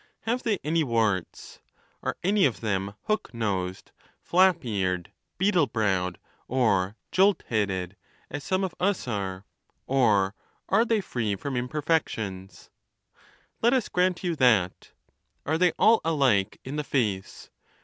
Have they any warts ? Are any of them hook nosed, flap eared, beetle browed, or jolt headed, as some of us are ? Or are they free from imperfections? Let us grant j'ou that. Are they all alike in the face?